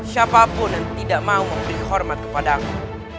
siapapun yang tidak mau memberi hormat kepada aku